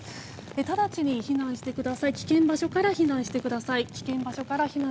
直ちに危険場所から避難してください。